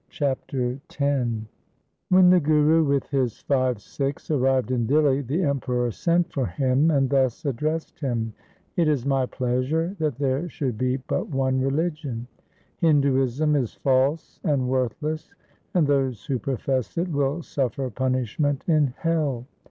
Chapter X When the Guru with his five Sikhs arrived in Dihli the Emperor sent for him and thus addressed him, ' It is my pleasure that there should be but one reli gion. Hinduism is false and worthless, and those who profess it will suffer punishment in hell.